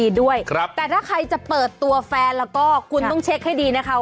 อีกก็ดูสภาพให้เปลี่ยนสุดได้ค่ะสภาพ